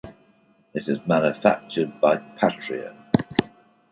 It is manufactured by Patria.